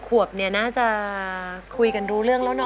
ขวบเนี่ยน่าจะคุยกันรู้เรื่องแล้วเน